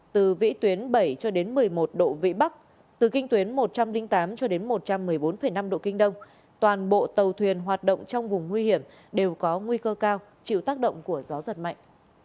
từ vị tuyến bảy cho đến một mươi một độ vị bắc từ kinh tuyến một trăm linh tám cho đến một trăm một mươi bốn năm độ kinh đông toàn bộ tàu thuyền hoạt động trong vùng nguy hiểm đều có nguy cơ cao chịu tác động của gió giật mạnh